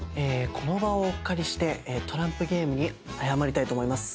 この場をお借りしてトランプゲームに謝りたいと思います。